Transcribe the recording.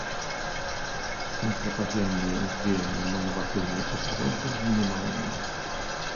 Антрапагеннае ўздзеянне на навакольнае асяроддзе мінімальнае.